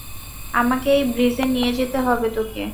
আমাকে এই ব্রীজে নিয়ে যেতে হবে তোকে।